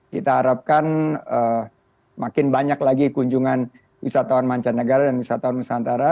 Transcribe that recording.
kita harapkan makin banyak lagi kunjungan wisatawan mancanegara dan wisatawan nusantara